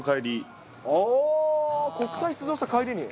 国体出場した帰りに。